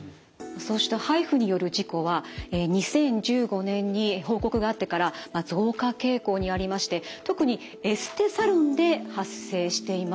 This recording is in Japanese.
そうしたＨＩＦＵによる事故は２０１５年に報告があってから増加傾向にありまして特にエステサロンで発生しています。